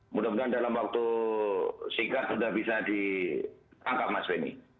mudah mudahan dalam waktu singkat sudah bisa ditangkap mas benny